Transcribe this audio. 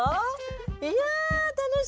いや楽しみ。